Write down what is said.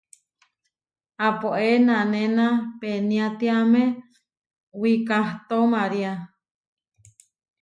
Aapóe nanéna peniátiame wikahtó María.